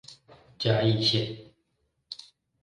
嘉義線